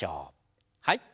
はい。